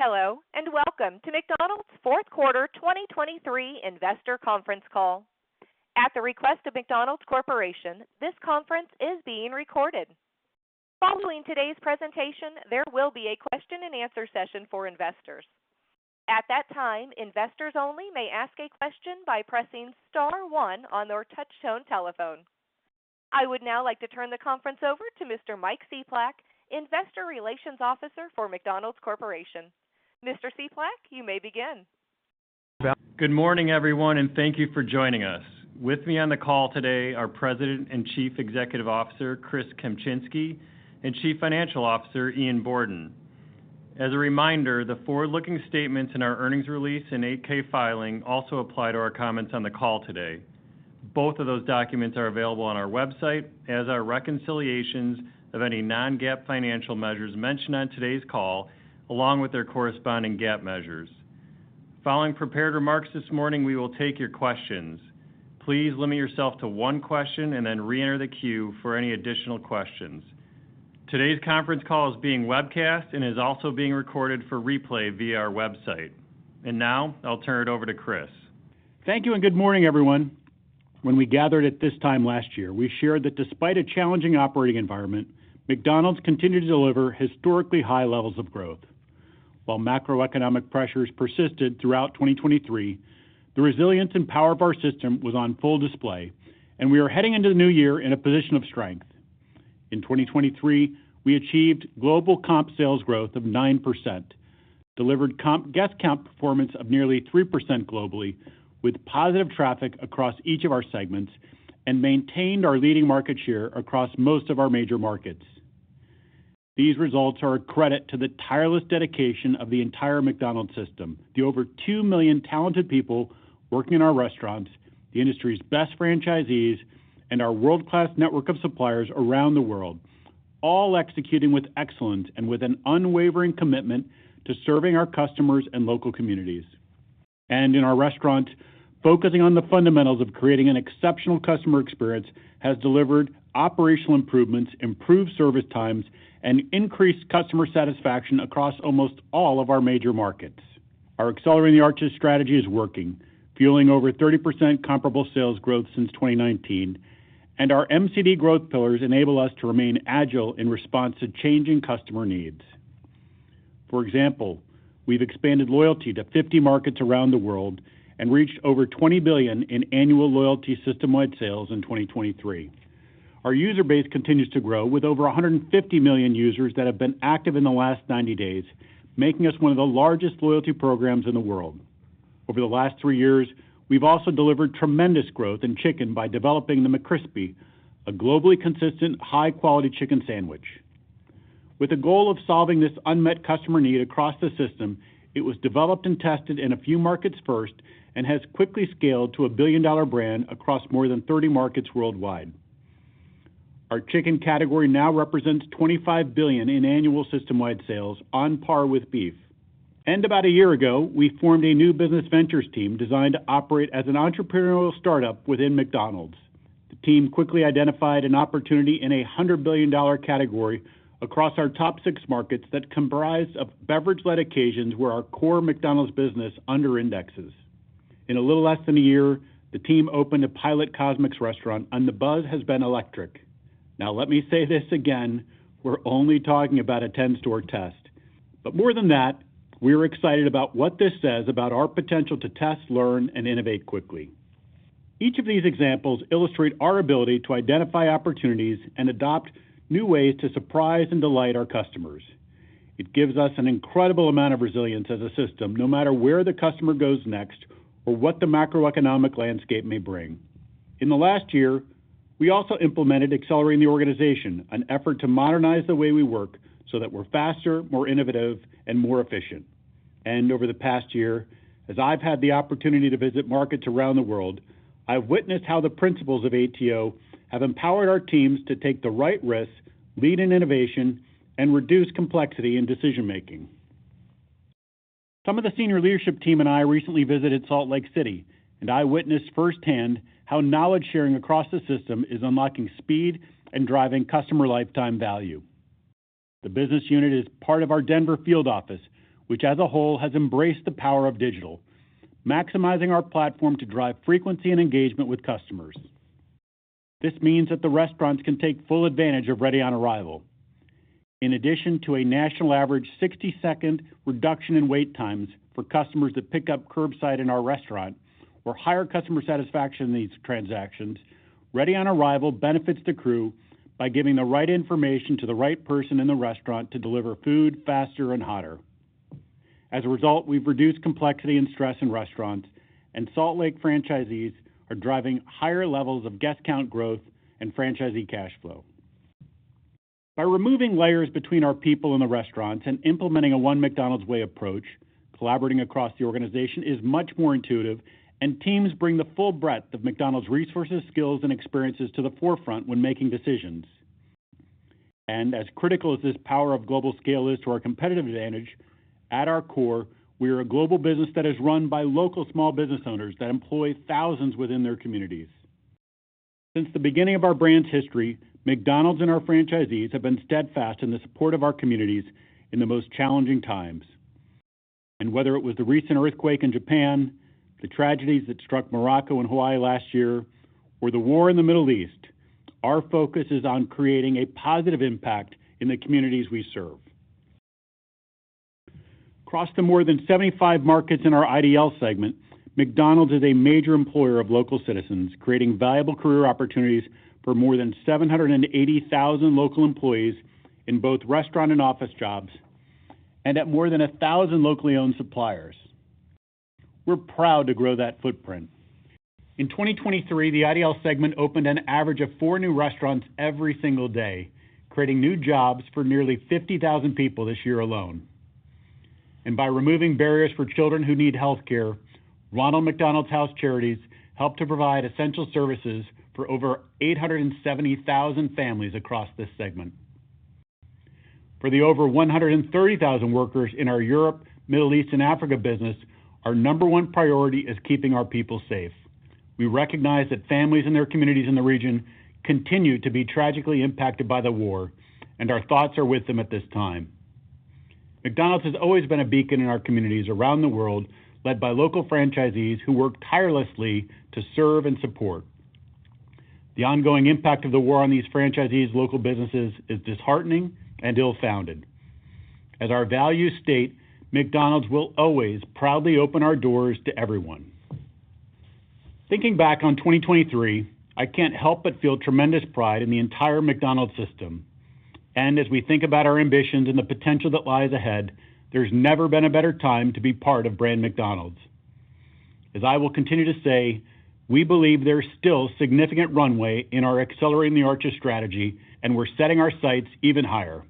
Hello, and welcome to McDonald's Q4 2023 Investor Conference Call. At the request of McDonald's Corporation, this conference is being recorded. Following today's presentation, there will be a question and answer session for investors. At that time, investors only may ask a question by pressing star one on their touchtone telephone. I would now like to turn the conference over to Mr. Mike Cieplak, Investor Relations Officer for McDonald's Corporation. Mr. Cieplak, you may begin. Good morning, everyone, and thank you for joining us. With me on the call today are President and Chief Executive Officer Chris Kempczinski and Chief Financial Officer Ian Borden. As a reminder, the forward-looking statements in our earnings release and 8-K filing also apply to our comments on the call today. Both of those documents are available on our website as are reconciliations of any non-GAAP financial measures mentioned on today's call, along with their corresponding GAAP measures. Following prepared remarks this morning, we will take your questions. Please limit yourself to one question and then reenter the queue for any additional questions. Today's conference call is being webcast and is also being recorded for replay via our website. Now I'll turn it over to Chris. Thank you and good morning, everyone. When we gathered at this time last year, we shared that despite a challenging operating environment, McDonald's continued to deliver historically high levels of growth. While macroeconomic pressures persisted throughout 2023, the resilience and power of our system was on full display, and we are heading into the new year in a position of strength. In 2023, we achieved global comp sales growth of 9%, delivered comp guest count performance of nearly 3% globally, with positive traffic across each of our segments and maintained our leading market share across most of our major markets. These results are a credit to the tireless dedication of the entire McDonald's system, the over 2 million talented people working in our restaurants, the industry's best franchisees, and our world-class network of suppliers around the world, all executing with excellence and with an unwavering commitment to serving our customers and local communities. And in our restaurant, focusing on the fundamentals of creating an exceptional customer experience has delivered operational improvements, improved service times, and increased customer satisfaction across almost all of our major markets. Our Accelerating the Arches strategy is working, fueling over 30% comparable sales growth since 2019, and our MCD growth pillars enable us to remain agile in response to changing customer needs. For example, we've expanded loyalty to 50 markets around the world and reached over $20 billion in annual loyalty system-wide sales in 2023. Our user base continues to grow, with over 150 million users that have been active in the last 90 days, making us one of the largest loyalty programs in the world. Over the last three years, we've also delivered tremendous growth in chicken by developing the McCrispy, a globally consistent, high-quality chicken sandwich. With the goal of solving this unmet customer need across the system, it was developed and tested in a few markets first and has quickly scaled to a billion-dollar brand across more than 30 markets worldwide. Our chicken category now represents $25 billion in annual system-wide sales on par with beef. About a year ago, we formed a new business ventures team designed to operate as an entrepreneurial startup within McDonald's. The team quickly identified an opportunity in a $100 billion-dollar category across our top six markets that comprise of beverage-led occasions where our core McDonald's business under indexes. In a little less than a year, the team opened a pilot CosMc's restaurant, and the buzz has been electric. Now, let me say this again, we're only talking about a 10-store test, but more than that, we're excited about what this says about our potential to test, learn, and innovate quickly. Each of these examples illustrate our ability to identify opportunities and adopt new ways to surprise and delight our customers. It gives us an incredible amount of resilience as a system, no matter where the customer goes next or what the macroeconomic landscape may bring. In the last year, we also implemented Accelerating the Organization, an effort to modernize the way we work so that we're faster, more innovative, and more efficient. Over the past year, as I've had the opportunity to visit markets around the world, I've witnessed how the principles of ATO have empowered our teams to take the right risks, lead in innovation, and reduce complexity in decision-making. Some of the senior leadership team and I recently visited Salt Lake City, and I witnessed firsthand how knowledge-sharing across the system is unlocking speed and driving customer lifetime value. The business unit is part of our Denver field office, which as a whole, has embraced the power of digital, maximizing our platform to drive frequency and engagement with customers. This means that the restaurants can take full advantage of Ready on Arrival. In addition to a national average 60-second reduction in wait times for customers that pick up curbside in our restaurant or higher customer satisfaction in these transactions, Ready on Arrival benefits the crew by giving the right information to the right person in the restaurant to deliver food faster and hotter. As a result, we've reduced complexity and stress in restaurants, and Salt Lake franchisees are driving higher levels of guest count growth and franchisee cash flow. By removing layers between our people in the restaurants and implementing a one McDonald's way approach, collaborating across the organization is much more intuitive, and teams bring the full breadth of McDonald's resources, skills, and experiences to the forefront when making decisions. And as critical as this power of global scale is to our competitive advantage, at our core, we are a global business that is run by local small business owners that employ thousands within their communities. Since the beginning of our brand's history, McDonald's and our franchisees have been steadfast in the support of our communities in the most challenging times. And whether it was the recent earthquake in Japan, the tragedies that struck Morocco and Hawaii last year, or the war in the Middle East, our focus is on creating a positive impact in the communities we serve. Across the more than 75 markets in our IDL segment, McDonald's is a major employer of local citizens, creating valuable career opportunities for more than 780,000 local employees in both restaurant and office jobs, and at more than 1,000 locally owned suppliers. We're proud to grow that footprint. In 2023, the IDL segment opened an average of 4 new restaurants every single day, creating new jobs for nearly 50,000 people this year alone. By removing barriers for children who need health care, Ronald McDonald House Charities helped to provide essential services for over 870,000 families across this segment. For the over 130,000 workers in our Europe, Middle East, and Africa business, our number one priority is keeping our people safe. We recognize that families and their communities in the region continue to be tragically impacted by the war, and our thoughts are with them at this time. McDonald's has always been a beacon in our communities around the world, led by local franchisees who work tirelessly to serve and support. The ongoing impact of the war on these franchisees' local businesses is disheartening and ill-founded. As our values state, McDonald's will always proudly open our doors to everyone. Thinking back on 2023, I can't help but feel tremendous pride in the entire McDonald's system. As we think about our ambitions and the potential that lies ahead, there's never been a better time to be part of brand McDonald's. As I will continue to say, we believe there's still significant runway in our Accelerating the Arches strategy, and we're setting our sights even higher.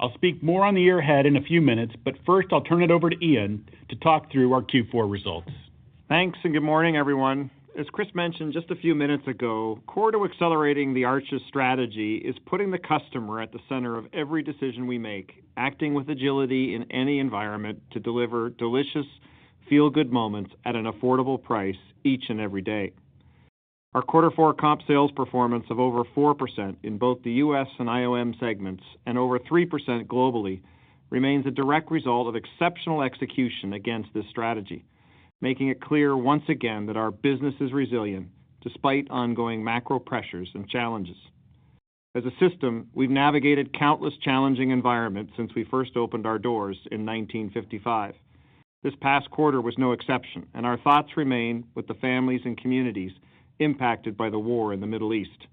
I'll speak more on the year ahead in a few minutes, but first, I'll turn it over to Ian to talk through our Q4 results. Thanks, and good morning, everyone. As Chris mentioned just a few minutes ago, core to Accelerating the Arches strategy is putting the customer at the center of every decision we make, acting with agility in any environment to deliver delicious, feel-good moments at an affordable price each and every day. Our quarter four comp sales performance of over 4% in both the U.S. and IOM segments and over 3% globally, remains a direct result of exceptional execution against this strategy, making it clear once again that our business is resilient despite ongoing macro pressures and challenges. As a system, we've navigated countless challenging environments since we first opened our doors in 1955. This past quarter was no exception, and our thoughts remain with the families and communities impacted by the war in the Middle East.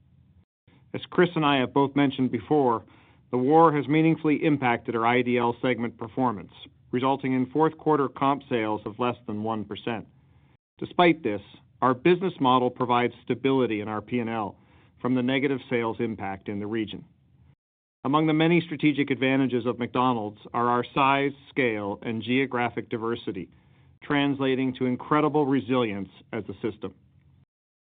As Chris and I have both mentioned before, the war has meaningfully impacted our IDL segment performance, resulting in Q4 comp sales of less than 1%. Despite this, our business model provides stability in our P&L from the negative sales impact in the region. Among the many strategic advantages of McDonald's are our size, scale, and geographic diversity, translating to incredible resilience as a system.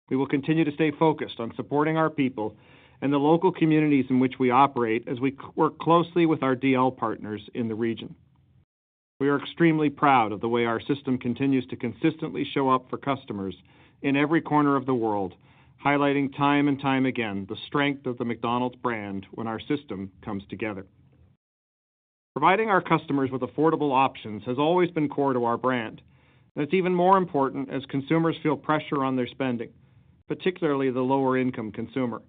We will continue to stay focused on supporting our people and the local communities in which we operate as we work closely with our DL partners in the region. We are extremely proud of the way our system continues to consistently show up for customers in every corner of the world, highlighting time and time again the strength of the McDonald's brand when our system comes together. Providing our customers with affordable options has always been core to our brand, and it's even more important as consumers feel pressure on their spending, particularly the lower-income consumer.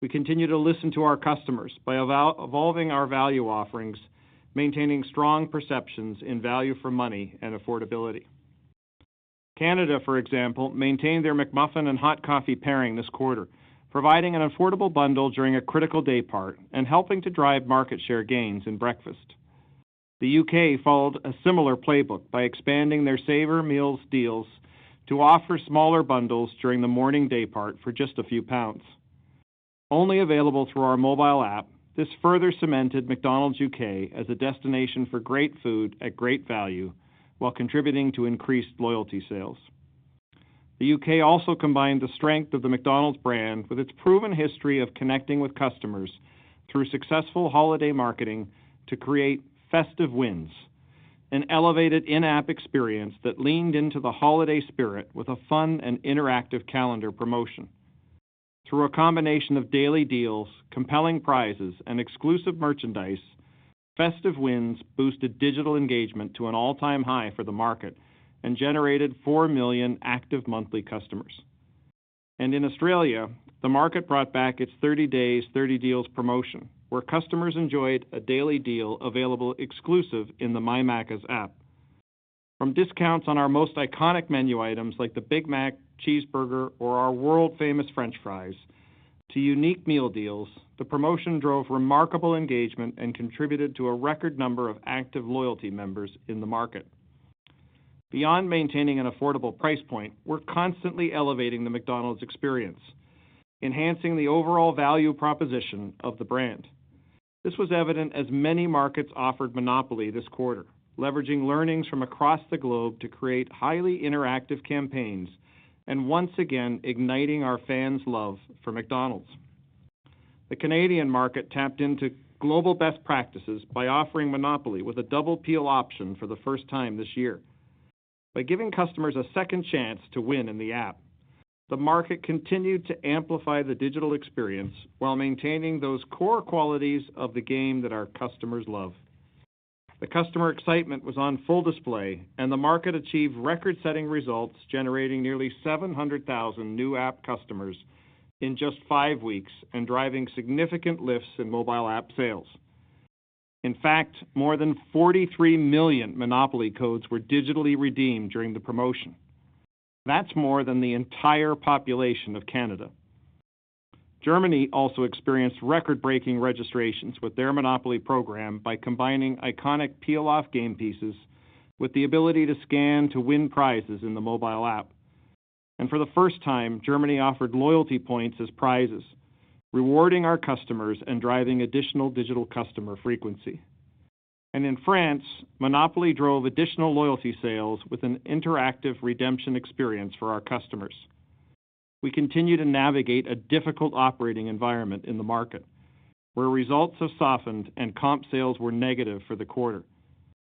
We continue to listen to our customers by evolving our value offerings, maintaining strong perceptions in value for money and affordability. Canada, for example, maintained their McMuffin and hot coffee pairing this quarter, providing an affordable bundle during a critical day part and helping to drive market share gains in breakfast. The U.K. followed a similar playbook by expanding their Saver Meals deals to offer smaller bundles during the morning day part for just a few pounds. Only available through our mobile app, this further cemented McDonald's U.K. as a destination for great food at great value while contributing to increased loyalty sales. The UK also combined the strength of the McDonald's brand with its proven history of connecting with customers through successful holiday marketing to create Festive Wins, an elevated in-app experience that leaned into the holiday spirit with a fun and interactive calendar promotion. Through a combination of daily deals, compelling prizes, and exclusive merchandise, Festive Wins boosted digital engagement to an all-time high for the market and generated 4 million active monthly customers. In Australia, the market brought back its 30 days, 30 deals promotion, where customers enjoyed a daily deal available exclusively in the MyMacca's app. From discounts on our most iconic menu items, like the Big Mac, cheeseburger, or our world-famous French fries, to unique meal deals, the promotion drove remarkable engagement and contributed to a record number of active loyalty members in the market. Beyond maintaining an affordable price point, we're constantly elevating the McDonald's experience, enhancing the overall value proposition of the brand. This was evident as many markets offered Monopoly this quarter, leveraging learnings from across the globe to create highly interactive campaigns and once again igniting our fans' love for McDonald's. The Canadian market tapped into global best practices by offering Monopoly with a Double Peel option for the first time this year. By giving customers a second chance to win in the app, the market continued to amplify the digital experience while maintaining those core qualities of the game that our customers love. The customer excitement was on full display, and the market achieved record-setting results, generating nearly 700,000 new app customers in just five weeks and driving significant lifts in mobile app sales. In fact, more than 43 million Monopoly codes were digitally redeemed during the promotion. That's more than the entire population of Canada. Germany also experienced record-breaking registrations with their Monopoly program by combining iconic peel-off game pieces with the ability to scan to win prizes in the mobile app. And for the first time, Germany offered loyalty points as prizes, rewarding our customers and driving additional digital customer frequency. And in France, Monopoly drove additional loyalty sales with an interactive redemption experience for our customers. We continue to navigate a difficult operating environment in the market, where results have softened and comp sales were negative for the quarter.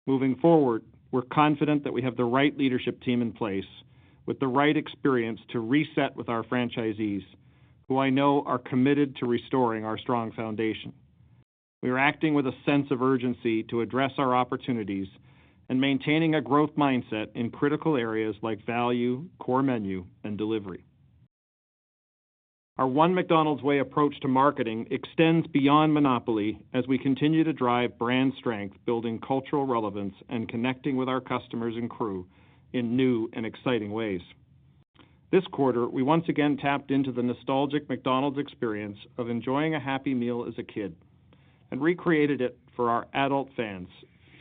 Moving forward, we're confident that we have the right leadership team in place with the right experience to reset with our franchisees, who I know are committed to restoring our strong foundation. We are acting with a sense of urgency to address our opportunities and maintaining a growth mindset in critical areas like value, core menu, and delivery. Our One McDonald's way approach to marketing extends beyond Monopoly as we continue to drive brand strength, building cultural relevance, and connecting with our customers and crew in new and exciting ways. This quarter, we once again tapped into the nostalgic McDonald's experience of enjoying a Happy Meal as a kid and recreated it for our adult fans,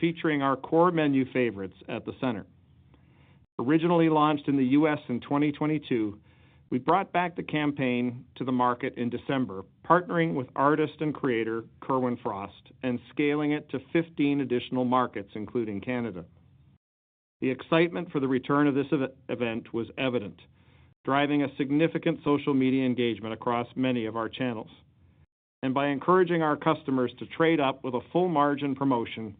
featuring our core menu favorites at the center. Originally launched in the U.S. in 2022, we brought back the campaign to the market in December, partnering with artist and creator Kerwin Frost, and scaling it to 15 additional markets, including Canada. The excitement for the return of this event was evident, driving a significant social media engagement across many of our channels. And by encouraging our customers to trade up with a full margin promotion,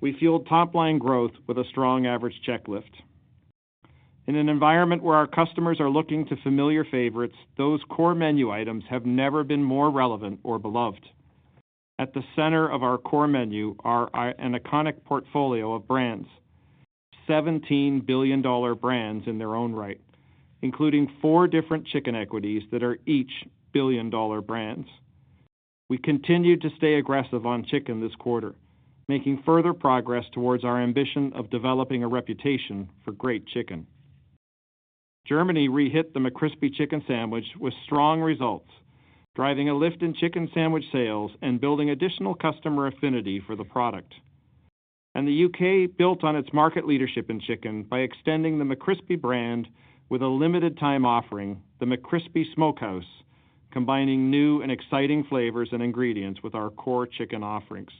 we fueled top-line growth with a strong average check lift. In an environment where our customers are looking to familiar favorites, those core menu items have never been more relevant or beloved. At the center of our core menu are an iconic portfolio of brands, 17 billion-dollar brands in their own right, including four different chicken equities that are each billion-dollar brands. We continued to stay aggressive on chicken this quarter, making further progress towards our ambition of developing a reputation for great chicken. Germany re-hit the McCrispy chicken sandwich with strong results, driving a lift in chicken sandwich sales, and building additional customer affinity for the product. The UK built on its market leadership in chicken by extending the McCrispy brand with a limited time offering, the McCrispy Smokehouse, combining new and exciting flavors and ingredients with our core chicken offerings.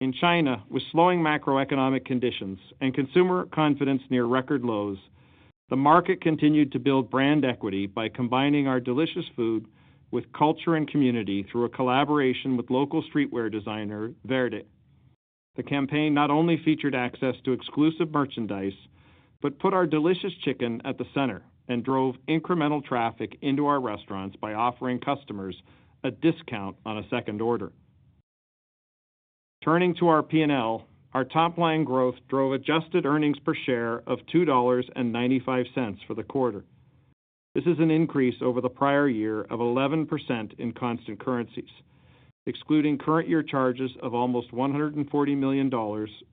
In China, with slowing macroeconomic conditions and consumer confidence near record lows, the market continued to build brand equity by combining our delicious food with culture and community through a collaboration with local streetwear designer, Verdy. The campaign not only featured access to exclusive merchandise, but put our delicious chicken at the center and drove incremental traffic into our restaurants by offering customers a discount on a second order. Turning to our P&L, our top-line growth drove adjusted earnings per share of $2.95 for the quarter. This is an increase over the prior year of 11% in constant currencies, excluding current year charges of almost $140 million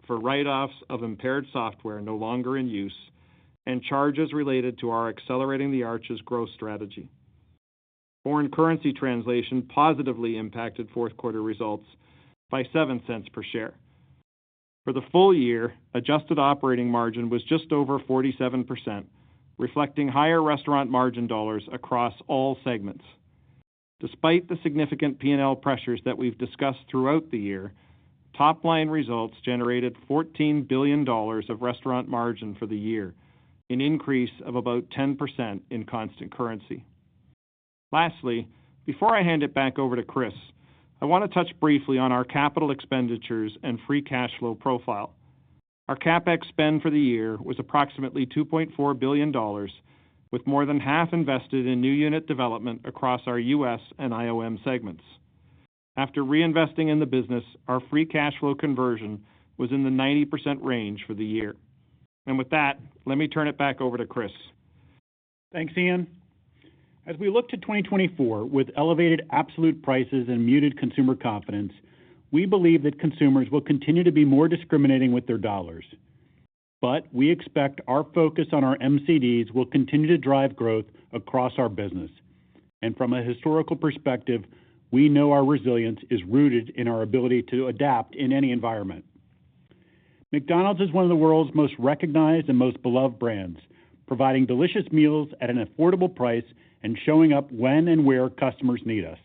for write-offs of impaired software no longer in use, and charges related to our Accelerating the Arches growth strategy. Foreign currency translation positively impacted Q4 results by $0.07 per share. For the full year, adjusted operating margin was just over 47%, reflecting higher restaurant margin dollars across all segments. Despite the significant P&L pressures that we've discussed throughout the year, top-line results generated $14 billion of restaurant margin for the year, an increase of about 10% in constant currency. Lastly, before I hand it back over to Chris, I want to touch briefly on our capital expenditures and free cash flow profile. Our CapEx spend for the year was approximately $2.4 billion, with more than half invested in new unit development across our US and IOM segments. After reinvesting in the business, our free cash flow conversion was in the 90% range for the year. With that, let me turn it back over to Chris. Thanks, Ian. As we look to 2024 with elevated absolute prices and muted consumer confidence, we believe that consumers will continue to be more discriminating with their dollars. But we expect our focus on our MCDs will continue to drive growth across our business. And from a historical perspective, we know our resilience is rooted in our ability to adapt in any environment. McDonald's is one of the world's most recognized and most beloved brands, providing delicious meals at an affordable price and showing up when and where customers need us.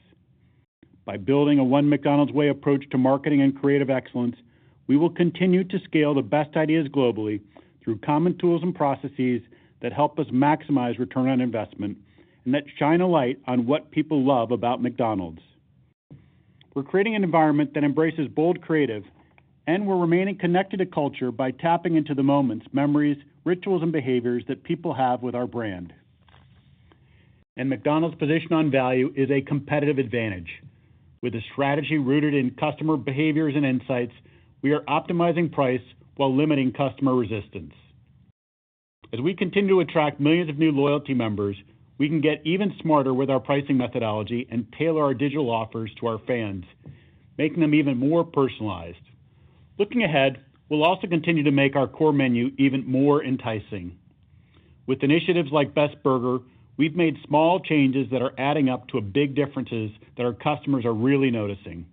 By building a One McDonald's way approach to marketing and creative excellence... We will continue to scale the best ideas globally through common tools and processes that help us maximize return on investment, and that shine a light on what people love about McDonald's. We're creating an environment that embraces bold, creative, and we're remaining connected to culture by tapping into the moments, memories, rituals, and behaviors that people have with our brand. McDonald's position on value is a competitive advantage. With a strategy rooted in customer behaviors and insights, we are optimizing price while limiting customer resistance. As we continue to attract millions of new loyalty members, we can get even smarter with our pricing methodology and tailor our digital offers to our fans, making them even more personalized. Looking ahead, we'll also continue to make our core menu even more enticing. With initiatives like Best Burger, we've made small changes that are adding up to a big differences that our customers are really noticing.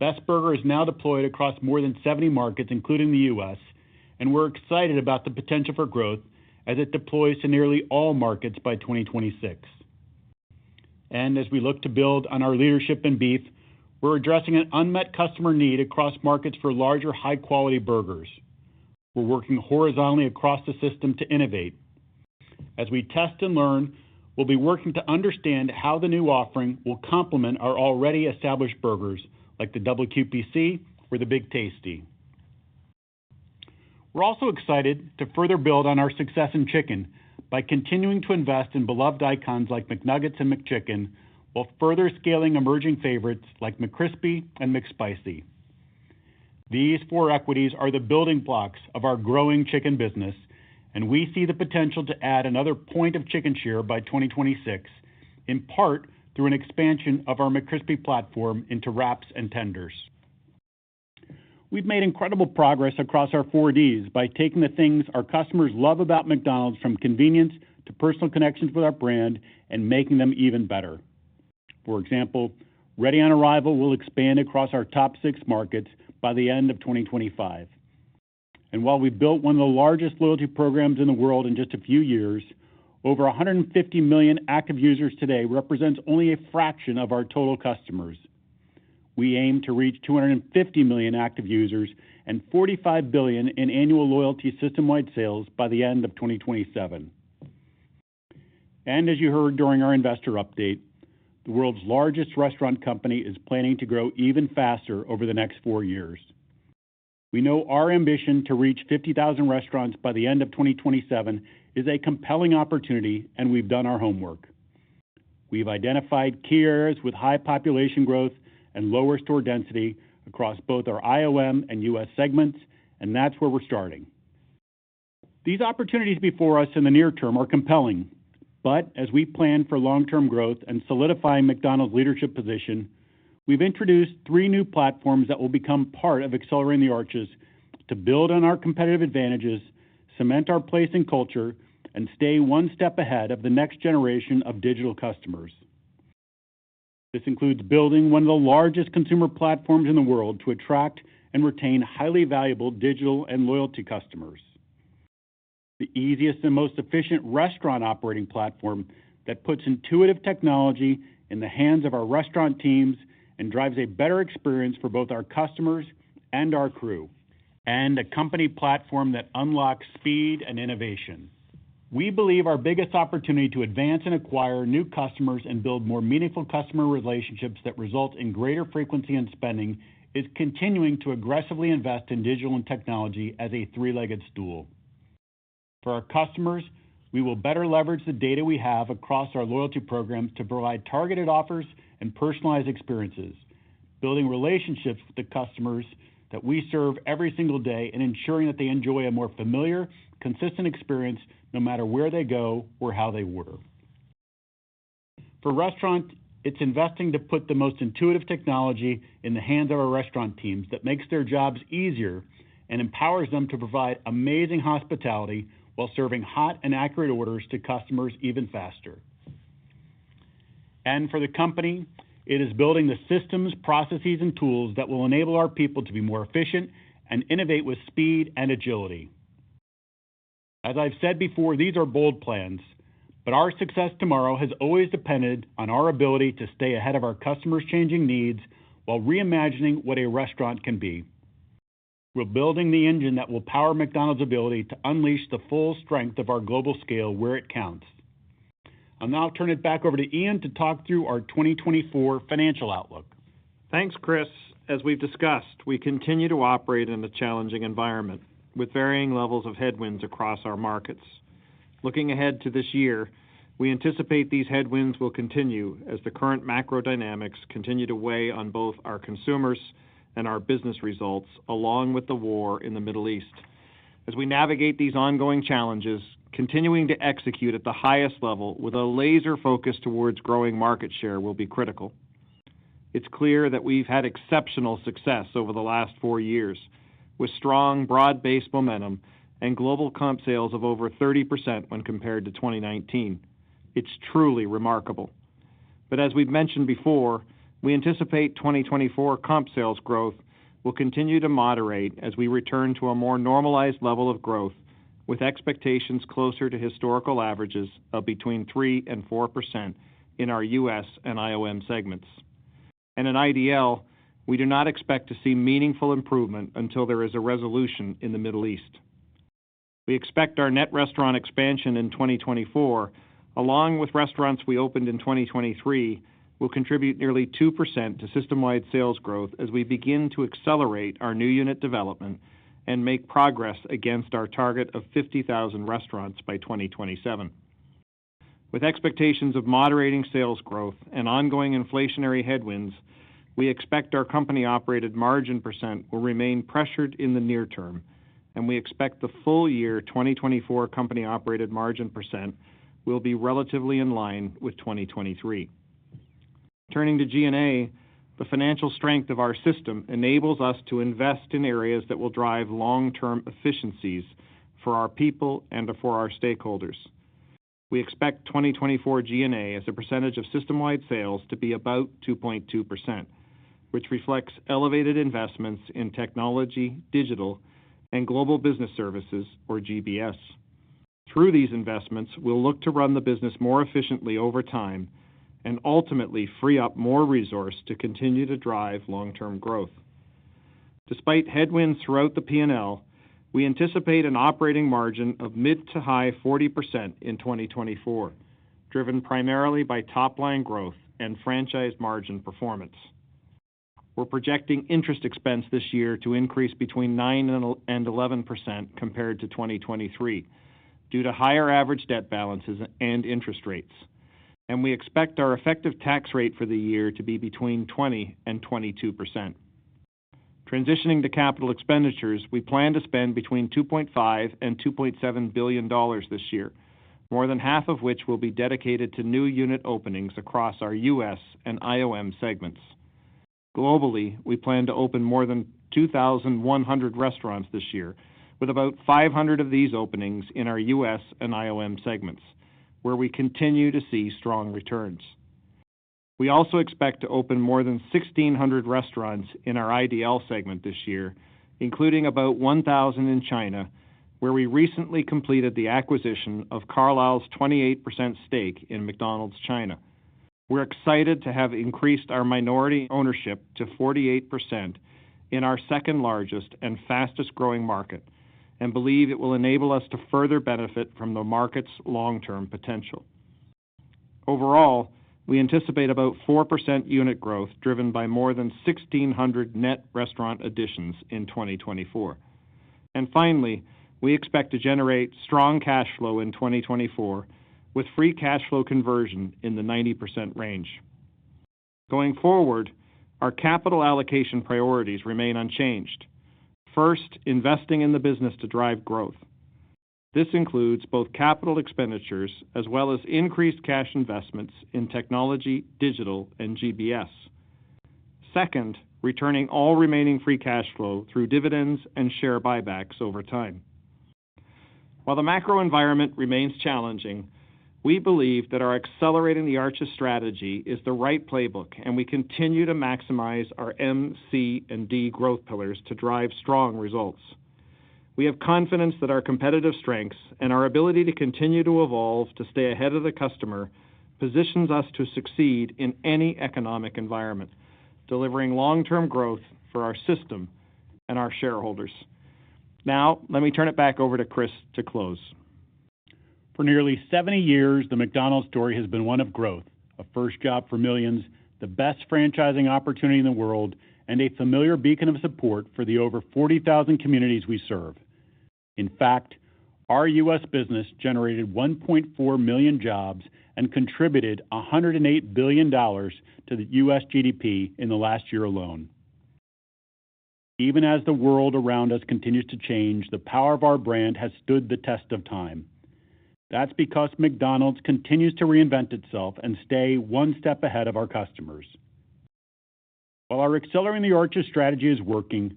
Best Burger is now deployed across more than 70 markets, including the U.S., and we're excited about the potential for growth as it deploys to nearly all markets by 2026. As we look to build on our leadership in beef, we're addressing an unmet customer need across markets for larger, high-quality burgers. We're working horizontally across the system to innovate. As we test and learn, we'll be working to understand how the new offering will complement our already established burgers, like the Double QPC or the Big Tasty. We're also excited to further build on our success in chicken by continuing to invest in beloved icons like McNuggets and McChicken, while further scaling emerging favorites like McCrispy and McSpicy. These four equities are the building blocks of our growing chicken business, and we see the potential to add another point of chicken share by 2026, in part through an expansion of our McCrispy platform into wraps and tenders. We've made incredible progress across our four Ds by taking the things our customers love about McDonald's, from convenience to personal connections with our brand, and making them even better. For example, Ready on Arrival will expand across our top six markets by the end of 2025. And while we built one of the largest loyalty programs in the world in just a few years, over 150 million active users today represents only a fraction of our total customers. We aim to reach 250 million active users and $45 billion in annual loyalty system-wide sales by the end of 2027. As you heard during our investor update, the world's largest restaurant company is planning to grow even faster over the next four years. We know our ambition to reach 50,000 restaurants by the end of 2027 is a compelling opportunity, and we've done our homework. We've identified tiers with high population growth and lower store density across both our IOM and U.S. segments, and that's where we're starting. These opportunities before us in the near term are compelling, but as we plan for long-term growth and solidifying McDonald's leadership position, we've introduced three new platforms that will become part of Accelerating the Arches to build on our competitive advantages, cement our place in culture, and stay one step ahead of the next generation of digital customers. This includes building one of the largest consumer platforms in the world to attract and retain highly valuable digital and loyalty customers. The easiest and most efficient restaurant operating platform that puts intuitive technology in the hands of our restaurant teams and drives a better experience for both our customers and our crew, and a company platform that unlocks speed and innovation. We believe our biggest opportunity to advance and acquire new customers and build more meaningful customer relationships that result in greater frequency and spending, is continuing to aggressively invest in digital and technology as a three-legged stool. For our customers, we will better leverage the data we have across our loyalty programs to provide targeted offers and personalized experiences, building relationships with the customers that we serve every single day and ensuring that they enjoy a more familiar, consistent experience no matter where they go or how they work. For restaurant, it's investing to put the most intuitive technology in the hands of our restaurant teams that makes their jobs easier and empowers them to provide amazing hospitality while serving hot and accurate orders to customers even faster. For the company, it is building the systems, processes, and tools that will enable our people to be more efficient and innovate with speed and agility. As I've said before, these are bold plans, but our success tomorrow has always depended on our ability to stay ahead of our customers' changing needs while reimagining what a restaurant can be. We're building the engine that will power McDonald's ability to unleash the full strength of our global scale where it counts. I'll now turn it back over to Ian to talk through our 2024 financial outlook. Thanks, Chris. As we've discussed, we continue to operate in a challenging environment, with varying levels of headwinds across our markets. Looking ahead to this year, we anticipate these headwinds will continue as the current macro dynamics continue to weigh on both our consumers and our business results, along with the war in the Middle East. As we navigate these ongoing challenges, continuing to execute at the highest level with a laser focus towards growing market share will be critical. It's clear that we've had exceptional success over the last four years, with strong, broad-based momentum and global comp sales of over 30% when compared to 2019. It's truly remarkable. But as we've mentioned before, we anticipate 2024 comp sales growth will continue to moderate as we return to a more normalized level of growth. With expectations closer to historical averages of between 3% and 4% in our U.S. and IOM segments. In IDL, we do not expect to see meaningful improvement until there is a resolution in the Middle East. We expect our net restaurant expansion in 2024, along with restaurants we opened in 2023, will contribute nearly 2% to system-wide sales growth as we begin to accelerate our new unit development and make progress against our target of 50,000 restaurants by 2027. With expectations of moderating sales growth and ongoing inflationary headwinds, we expect our company-operated margin % will remain pressured in the near term, and we expect the full year 2024 company-operated margin % will be relatively in line with 2023. Turning to G&A, the financial strength of our system enables us to invest in areas that will drive long-term efficiencies for our people and for our stakeholders. We expect 2024 G&A as a percentage of system-wide sales to be about 2.2%, which reflects elevated investments in technology, digital, and Global Business Services, or GBS. Through these investments, we'll look to run the business more efficiently over time and ultimately free up more resource to continue to drive long-term growth. Despite headwinds throughout the P&L, we anticipate an operating margin of mid- to high-40% in 2024, driven primarily by top-line growth and franchise margin performance. We're projecting interest expense this year to increase between 9% and 11% compared to 2023 due to higher average debt balances and interest rates. We expect our effective tax rate for the year to be between 20% and 22%. Transitioning to capital expenditures, we plan to spend between $2.5 billion and $2.7 billion this year, more than half of which will be dedicated to new unit openings across our US and IOM segments. Globally, we plan to open more than 2,100 restaurants this year, with about 500 of these openings in our US and IOM segments, where we continue to see strong returns. We also expect to open more than 1,600 restaurants in our IDL segment this year, including about 1,000 in China, where we recently completed the acquisition of Carlyle's 28% stake in McDonald's China. We're excited to have increased our minority ownership to 48% in our second largest and fastest-growing market, and believe it will enable us to further benefit from the market's long-term potential. Overall, we anticipate about 4% unit growth, driven by more than 1,600 net restaurant additions in 2024. And finally, we expect to generate strong cash flow in 2024, with free cash flow conversion in the 90% range. Going forward, our capital allocation priorities remain unchanged. First, investing in the business to drive growth. This includes both capital expenditures as well as increased cash investments in technology, digital, and GBS. Second, returning all remaining free cash flow through dividends and share buybacks over time. While the macro environment remains challenging, we believe that our Accelerating the Arches strategy is the right playbook, and we continue to maximize our M, C, and D growth pillars to drive strong results. We have confidence that our competitive strengths and our ability to continue to evolve, to stay ahead of the customer, positions us to succeed in any economic environment, delivering long-term growth for our system and our shareholders. Now, let me turn it back over to Chris to close. For nearly 70 years, the McDonald's story has been one of growth, a first job for millions, the best franchising opportunity in the world, and a familiar beacon of support for the over 40,000 communities we serve. In fact, our U.S. business generated 1.4 million jobs and contributed $108 billion to the U.S. GDP in the last year alone. Even as the world around us continues to change, the power of our brand has stood the test of time. That's because McDonald's continues to reinvent itself and stay one step ahead of our customers. While our Accelerating the Arches strategy is working,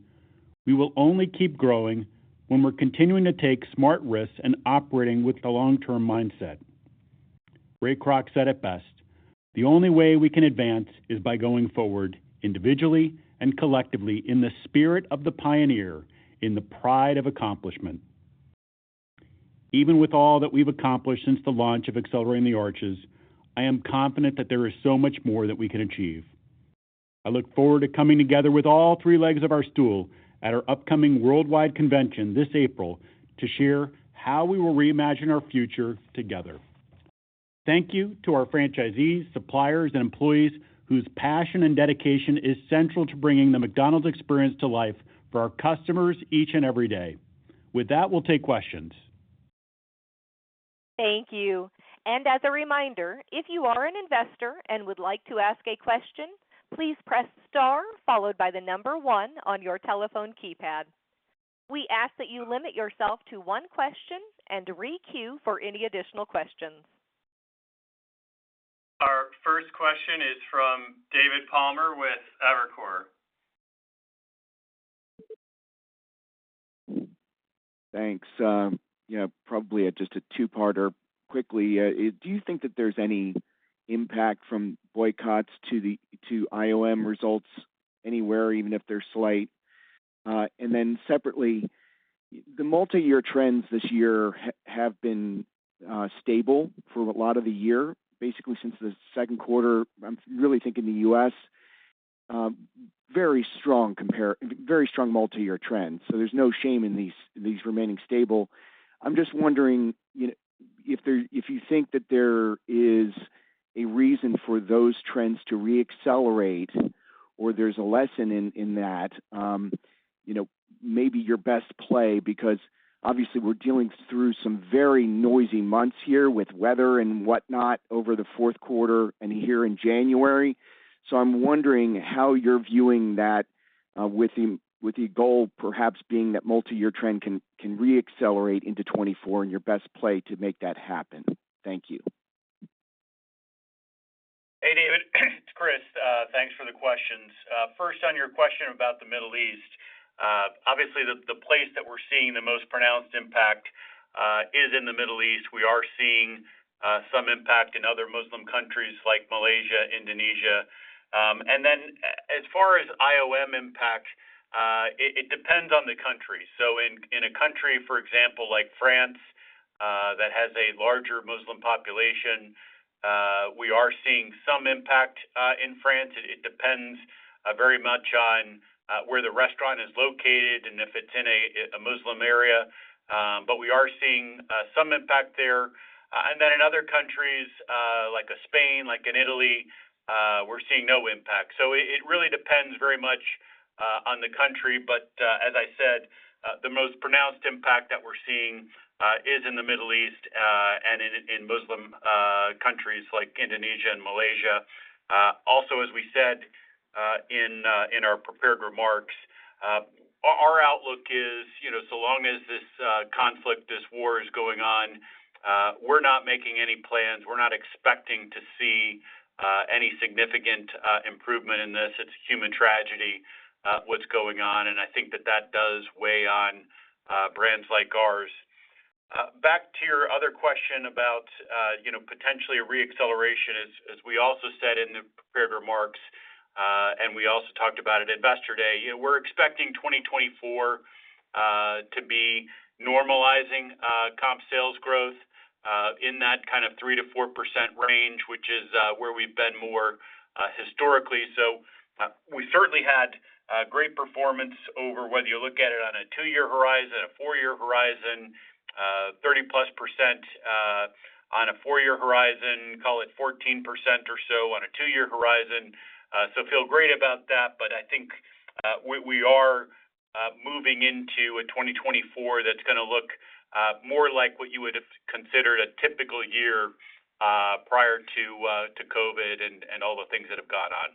we will only keep growing when we're continuing to take smart risks and operating with the long-term mindset. Ray Kroc said it best: "The only way we can advance is by going forward, individually and collectively, in the spirit of the pioneer, in the pride of accomplishment." Even with all that we've accomplished since the launch of Accelerating the Arches, I am confident that there is so much more that we can achieve. I look forward to coming together with all three legs of our stool at our upcoming worldwide convention this April to share how we will reimagine our future together. Thank you to our franchisees, suppliers, and employees whose passion and dedication is central to bringing the McDonald's experience to life for our customers each and every day. With that, we'll take questions. Thank you. As a reminder, if you are an investor and would like to ask a question, please press star followed by the number one on your telephone keypad. We ask that you limit yourself to one question and re-queue for any additional questions. Our first question is from David Palmer with Evercore. Thanks. Yeah, probably just a two-parter. Quickly, do you think that there's any impact from boycotts to the, to IOM results? anywhere, even if they're slight. And then separately, the multi-year trends this year have been stable for a lot of the year, basically since the Q2. I'm really thinking the U.S., very strong multi-year trends, so there's no shame in these, these remaining stable. I'm just wondering, you know, if you think that there is a reason for those trends to re-accelerate or there's a lesson in that, you know, maybe your best play, because obviously we're dealing through some very noisy months here with weather and whatnot over the Q4 and here in January. So I'm wondering how you're viewing that, with the goal perhaps being that multi-year trend can re-accelerate into 2024 and your best play to make that happen. Thank you. Hey, David, it's Chris. Thanks for the questions. First, on your question about the Middle East, obviously, the place that we're seeing the most pronounced impact is in the Middle East. We are seeing some impact in other Muslim countries like Malaysia, Indonesia. And then as far as IOM impact, it depends on the country. So in a country, for example, like France, that has a larger Muslim population, we are seeing some impact in France. It depends very much on where the restaurant is located and if it's in a Muslim area, but we are seeing some impact there. And then in other countries, like Spain, like in Italy, we're seeing no impact. So it really depends very much on the country. But, as I said, the most pronounced impact that we're seeing is in the Middle East and in Muslim countries like Indonesia and Malaysia. Also, as we said, in our prepared remarks, our outlook is, you know, so long as this conflict, this war is going on, we're not making any plans. We're not expecting to see any significant improvement in this. It's a human tragedy, what's going on, and I think that that does weigh on brands like ours. Back to your other question about, you know, potentially a re-acceleration. As we also said in the prepared remarks, and we also talked about at Investor Day, you know, we're expecting 2024 to be normalizing comp sales growth in that kind of 3%-4% range, which is where we've been more historically. So we certainly had great performance over whether you look at it on a 2-year horizon, a 4-year horizon, 30%+ on a 4-year horizon, call it 14% or so on a 2-year horizon. So feel great about that, but I think we are moving into a 2024 that's gonna look more like what you would have considered a typical year prior to COVID and all the things that have gone on.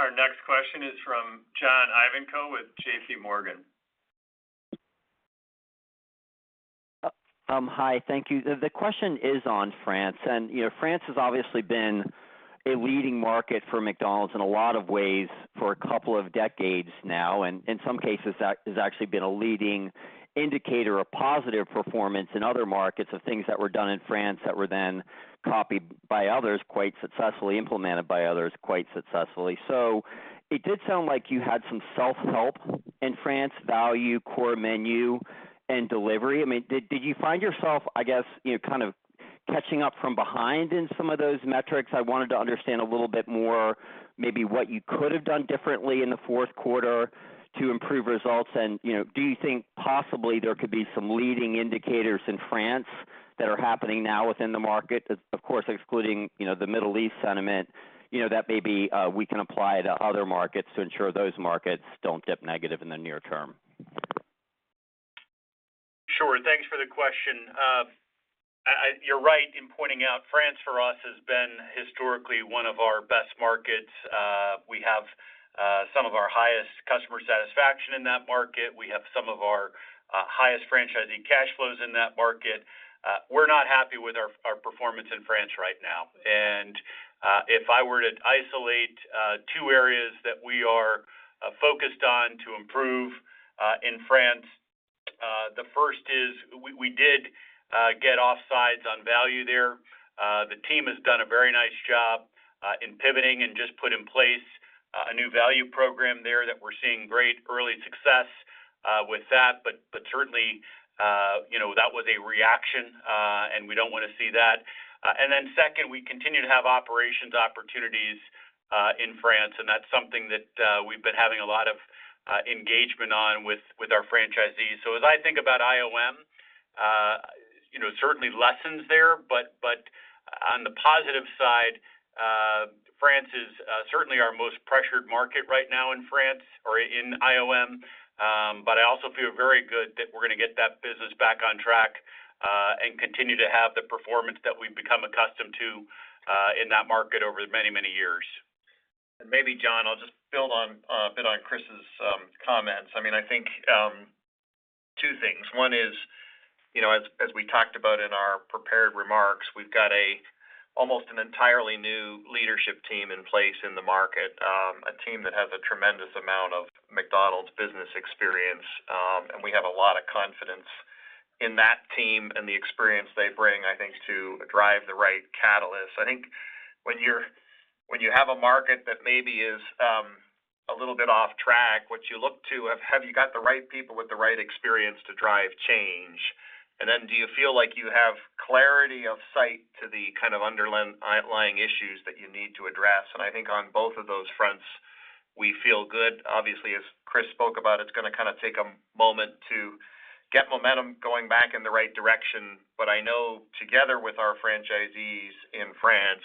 Our next question is from John Ivankoe with J.P. Morgan. Hi, thank you. The question is on France, and, you know, France has obviously been a leading market for McDonald's in a lot of ways for a couple of decades now, and in some cases, that has actually been a leading indicator of positive performance in other markets of things that were done in France that were then copied by others, quite successfully, implemented by others, quite successfully. So it did sound like you had some self-help in France, value, core menu, and delivery. I mean, did you find yourself, I guess, you know, kind of catching up from behind in some of those metrics? I wanted to understand a little bit more, maybe what you could have done differently in the Q4 to improve results. You know, do you think possibly there could be some leading indicators in France that are happening now within the market? Of course, excluding, you know, the Middle East sentiment, you know, that maybe we can apply to other markets to ensure those markets don't tip negative in the near term. Sure. Thanks for the question. You're right in pointing out France, for us, has been historically one of our best markets. We have some of our highest customer satisfaction in that market. We have some of our highest franchising cash flows in that market. We're not happy with our performance in France right now, and if I were to isolate two areas that we are focused on to improve in France, the first is we did get offsides on value there. The team has done a very nice job in pivoting and just put in place a new value program there that we're seeing great early success with that. But certainly, you know, that was a reaction, and we don't want to see that. And then second, we continue to have operations opportunities in France, and that's something that we've been having a lot of engagement on with our franchisees. So as I think about IOM, you know, certainly lessons there, but, but on the positive side, France is certainly our most pressured market right now in France or in IOM. But I also feel very good that we're gonna get that business back on track and continue to have the performance that we've become accustomed to in that market over many, many years. And maybe, John, I'll just build on a bit on Chris's comments. I mean, I think two things. One is, you know, as we talked about in our prepared remarks, we've got almost an entirely new leadership team in place in the market. A team that has a tremendous amount of McDonald's business experience.... We have a lot of confidence in that team and the experience they bring, I think, to drive the right catalyst. I think when you're, when you have a market that maybe is a little bit off track, what you look to, have you got the right people with the right experience to drive change? And then do you feel like you have clarity of sight to the kind of underlying issues that you need to address? And I think on both of those fronts, we feel good. Obviously, as Chris spoke about, it's gonna kind of take a moment to get momentum going back in the right direction. I know together with our franchisees in France,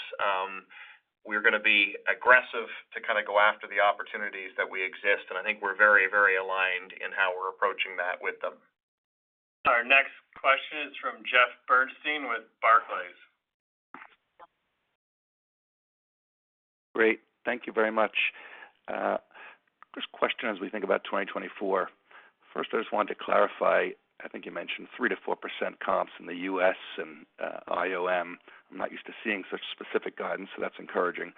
we're gonna be aggressive to kind of go after the opportunities that we exist, and I think we're very, very aligned in how we're approaching that with them. Our next question is from Jeff Bernstein with Barclays. Great. Thank you very much. Just a question as we think about 2024. First, I just wanted to clarify, I think you mentioned 3%-4% comps in the U.S. and IOM. I'm not used to seeing such specific guidance, so that's encouraging.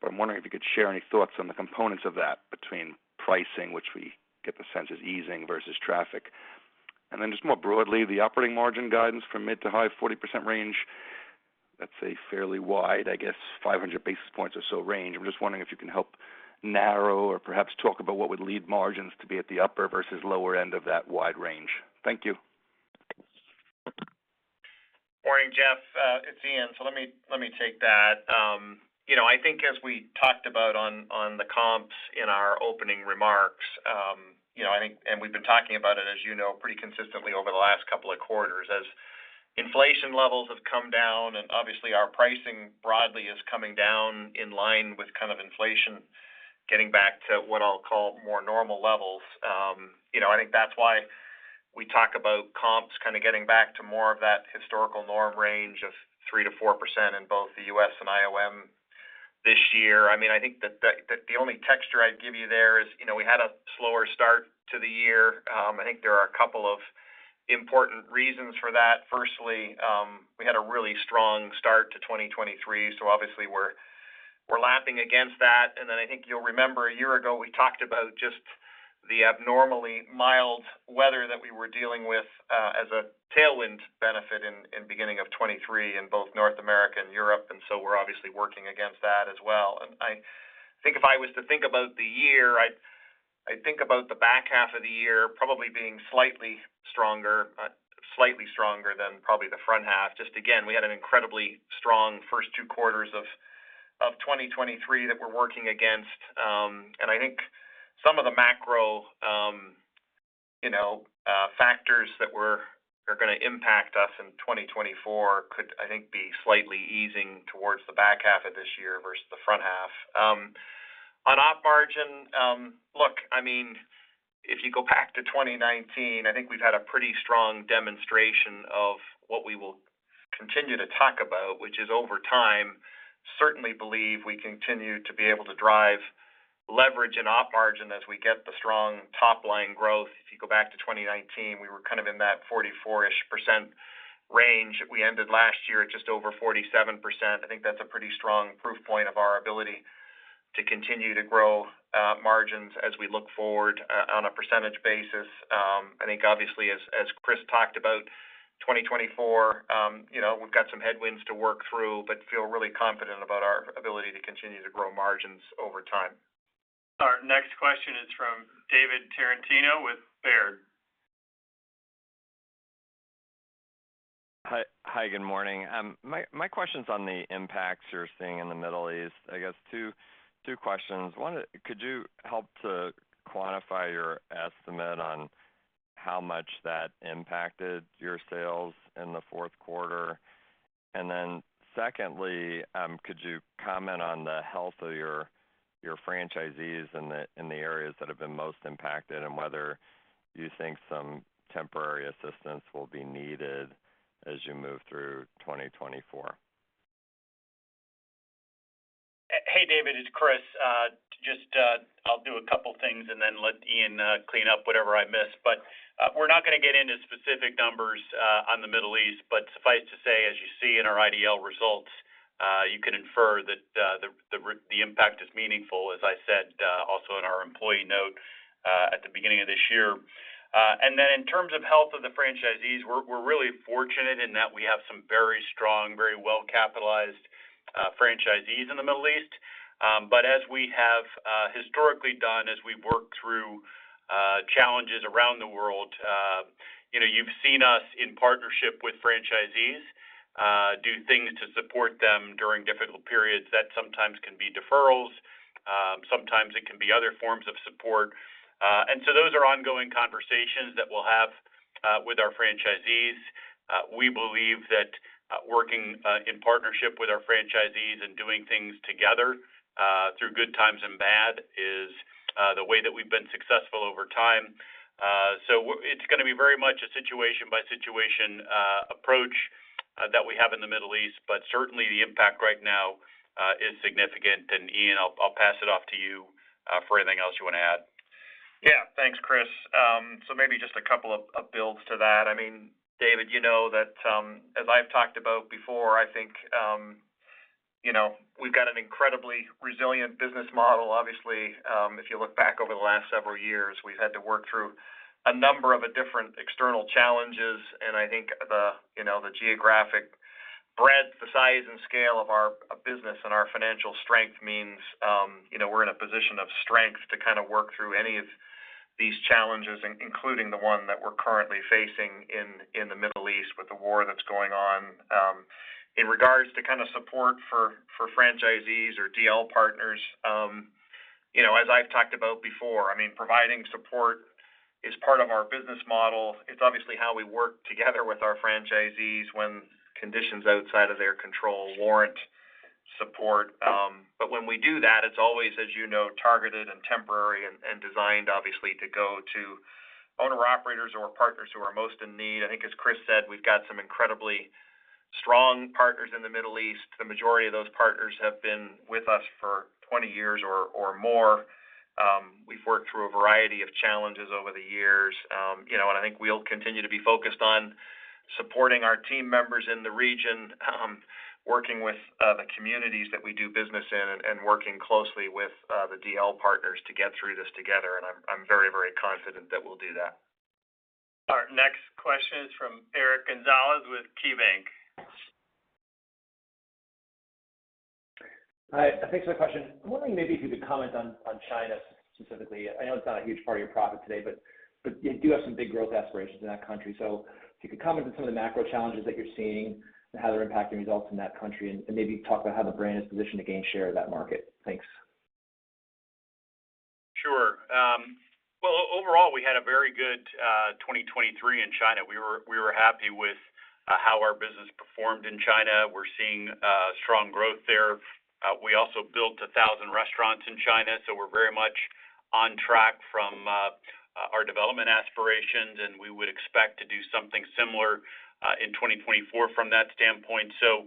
But I'm wondering if you could share any thoughts on the components of that between pricing, which we get the sense is easing, versus traffic. And then just more broadly, the operating margin guidance from mid- to high-40% range, that's a fairly wide, I guess, 500 basis points or so range. I'm just wondering if you can help narrow or perhaps talk about what would lead margins to be at the upper versus lower end of that wide range. Thank you. Morning, Jeff, it's Ian. So let me, let me take that. You know, I think as we talked about on, on the comps in our opening remarks, you know, I think, and we've been talking about it, as you know, pretty consistently over the last couple of quarters. As inflation levels have come down, and obviously, our pricing broadly is coming down in line with kind of inflation, getting back to what I'll call more normal levels. You know, I think that's why we talk about comps kind of getting back to more of that historical norm range of 3%-4% in both the US and IOM this year. I mean, I think that the only texture I'd give you there is, you know, we had a slower start to the year. I think there are a couple of important reasons for that. Firstly, we had a really strong start to 2023, so obviously we're lapping against that. Then I think you'll remember a year ago, we talked about just the abnormally mild weather that we were dealing with as a tailwind benefit in beginning of 2023 in both North America and Europe, and so we're obviously working against that as well. I think if I was to think about the year, I'd think about the back half of the year probably being slightly stronger, slightly stronger than probably the front half. Just again, we had an incredibly strong first two quarters of 2023 that we're working against. I think some of the macro, you know, factors that are gonna impact us in 2024 could, I think, be slightly easing towards the back half of this year versus the front half. On op margin, look, I mean, if you go back to 2019, I think we've had a pretty strong demonstration of what we will continue to talk about, which is over time, certainly believe we continue to be able to drive leverage and op margin as we get the strong top-line growth. If you go back to 2019, we were kind of in that 44%-ish range. We ended last year at just over 47%. I think that's a pretty strong proof point of our ability to continue to grow margins as we look forward on a percentage basis. I think obviously as Chris talked about, 2024, you know, we've got some headwinds to work through, but feel really confident about our ability to continue to grow margins over time. Our next question is from David Tarantino with Baird. Hi. Hi, good morning. My question's on the impacts you're seeing in the Middle East. I guess two questions. One, could you help to quantify your estimate on how much that impacted your sales in the Q4? And then secondly, could you comment on the health of your franchisees in the areas that have been most impacted, and whether you think some temporary assistance will be needed as you move through 2024? Hey, David, it's Chris. Just, I'll do a couple of things and then let Ian clean up whatever I miss. But, we're not gonna get into specific numbers on the Middle East, but suffice to say, as you see in our IDL results, you can infer that the impact is meaningful, as I said, also in our employee note at the beginning of this year. And then in terms of health of the franchisees, we're really fortunate in that we have some very strong, very well-capitalized franchisees in the Middle East. But as we have historically done, as we've worked through challenges around the world, you know, you've seen us in partnership with franchisees do things to support them during difficult periods. That sometimes can be deferrals, sometimes it can be other forms of support. And so those are ongoing conversations that we'll have with our franchisees. We believe that working in partnership with our franchisees and doing things together through good times and bad is the way that we've been successful over time. So it's gonna be very much a situation-by-situation approach that we have in the Middle East, but certainly the impact right now is significant. And Ian, I'll pass it off to you for anything else you wanna add. Yeah. Thanks, Chris. So maybe just a couple of builds to that. I mean, David, you know that, as I've talked about before, I think. You know, we've got an incredibly resilient business model. Obviously, if you look back over the last several years, we've had to work through a number of different external challenges, and I think the, you know, the geographic breadth, the size, and scale of our business and our financial strength means, you know, we're in a position of strength to kind of work through any of these challenges, including the one that we're currently facing in the Middle East with the war that's going on. In regards to kind of support for franchisees or DL partners, you know, as I've talked about before, I mean, providing support is part of our business model. It's obviously how we work together with our franchisees when conditions outside of their control warrant support. But when we do that, it's always, as you know, targeted and temporary and designed obviously to go to owner-operators or partners who are most in need. I think, as Chris said, we've got some incredibly strong partners in the Middle East. The majority of those partners have been with us for 20 years or more. We've worked through a variety of challenges over the years, you know, and I think we'll continue to be focused on supporting our team members in the region, working with the communities that we do business in, and working closely with the DL partners to get through this together, and I'm very confident that we'll do that. Our next question is from Eric Gonzalez with KeyBanc. Hi, thanks for the question. I'm wondering maybe if you could comment on, on China specifically. I know it's not a huge part of your profit today, but, but you do have some big growth aspirations in that country. So if you could comment on some of the macro challenges that you're seeing and how they're impacting results in that country, and, and maybe talk about how the brand is positioned to gain share in that market. Thanks. Sure. Well, overall, we had a very good 2023 in China. We were happy with how our business performed in China. We're seeing strong growth there. We also built 1,000 restaurants in China, so we're very much on track from our development aspirations, and we would expect to do something similar in 2024 from that standpoint. So,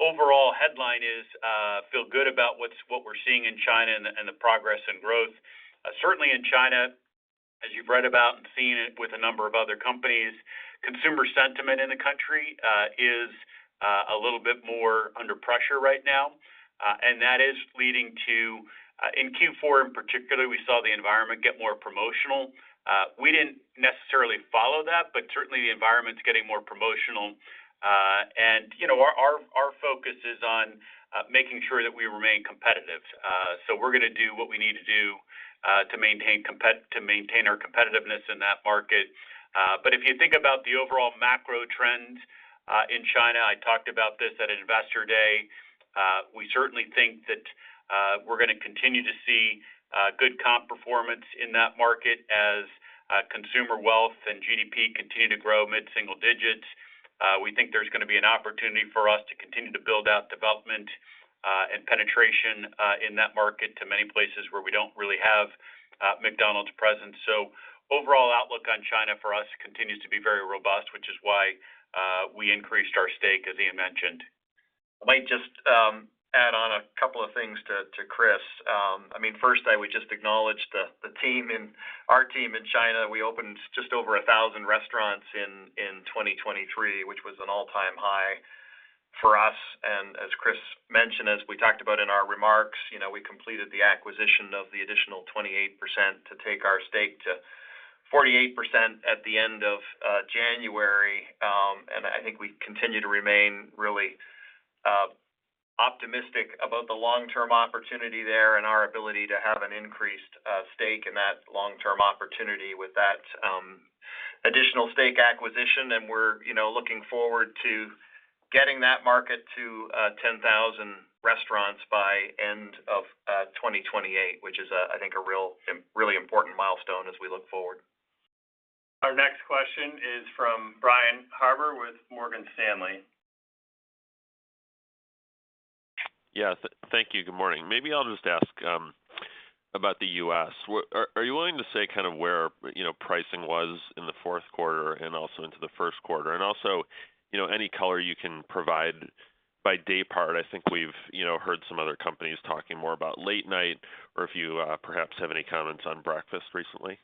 overall headline is feel good about what we're seeing in China and the progress and growth. Certainly in China, as you've read about and seen it with a number of other companies, consumer sentiment in the country is a little bit more under pressure right now, and that is leading to... In Q4 in particular, we saw the environment get more promotional. We didn't necessarily follow that, but certainly, the environment's getting more promotional. And, you know, our focus is on making sure that we remain competitive. So we're gonna do what we need to do to maintain our competitiveness in that market. But if you think about the overall macro trends in China, I talked about this at Investor Day. We certainly think that we're gonna continue to see good comp performance in that market as consumer wealth and GDP continue to grow mid-single digits. We think there's gonna be an opportunity for us to continue to build out development and penetration in that market to many places where we don't really have McDonald's presence. So overall outlook on China for us continues to be very robust, which is why we increased our stake, as Ian mentioned. I might just add on a couple of things to Chris. I mean, first, I would just acknowledge our team in China. We opened just over 1,000 restaurants in 2023, which was an all-time high for us. And as Chris mentioned, as we talked about in our remarks, you know, we completed the acquisition of the additional 28% to take our stake to 48% at the end of January. And I think we continue to remain really optimistic about the long-term opportunity there and our ability to have an increased stake in that long-term opportunity with that additional stake acquisition. We're, you know, looking forward to getting that market to 10,000 restaurants by end of 2028, which is, I think, a real, really important milestone as we look forward. Our next question is from Brian Harbor with Morgan Stanley. Yeah, thank you. Good morning. Maybe I'll just ask about the U.S. What are you willing to say kind of where, you know, pricing was in the Q4 and also into the Q1? And also, you know, any color you can provide by day part. I think we've, you know, heard some other companies talking more about late-night, or if you perhaps have any comments on breakfast recently.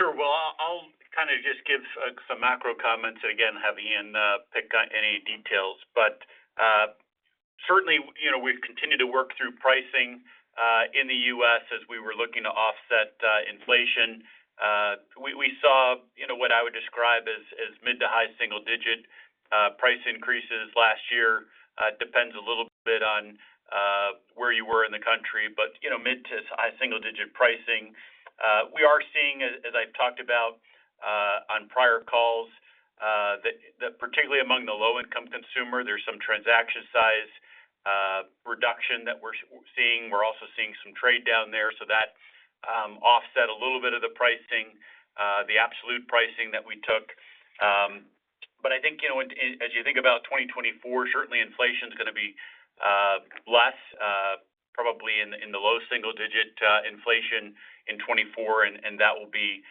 Sure. Well, I'll kind of just give some macro comments and again, have Ian pick on any details. But certainly, you know, we've continued to work through pricing in the U.S. as we were looking to offset inflation. We saw, you know, what I would describe as mid- to high-single-digit price increases last year. Depends a little bit on where you were in the country, but you know, mid- to high-single-digit pricing. We are seeing, as I've talked about on prior calls, that particularly among the low-income consumer, there's some transaction size reduction that we're seeing. We're also seeing some trade down there, so that offset a little bit of the pricing, the absolute pricing that we took. But I think, you know, when, as you think about 2024, certainly inflation is gonna be less, probably in the low single digit inflation in 2024, and that will be